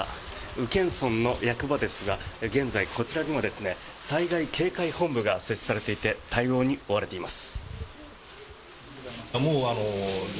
宇検村の役場ですが現在、こちらにも災害警戒本部が設置されていて対応に追われています。